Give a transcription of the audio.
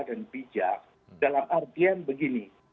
dan bijak dalam artian begini